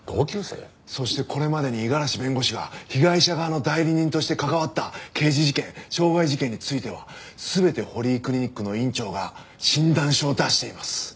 そしてこれまでに五十嵐弁護士が被害者側の代理人として関わった刑事事件傷害事件については全て堀井クリニックの院長が診断書を出しています。